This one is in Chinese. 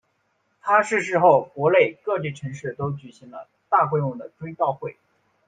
他逝世后国内各地城市都举行了大规模的追悼会。